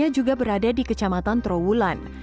juga berada di kecamatan trawulan